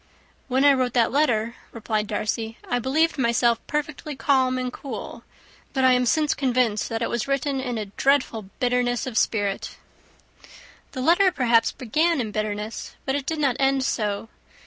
"When I wrote that letter," replied Darcy, "I believed myself perfectly calm and cool; but I am since convinced that it was written in a dreadful bitterness of spirit." "The letter, perhaps, began in bitterness, but it did not end so.